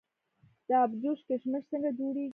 د ابجوش کشمش څنګه جوړیږي؟